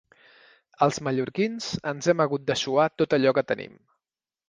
Els mallorquins ens hem hagut de suar tot allò que tenim.